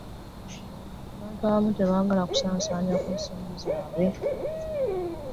abantu abamu tebaagala kusaasaanya ku nsimbi zaabwe